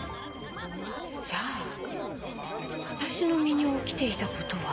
じゃあ私の身に起きていた事は？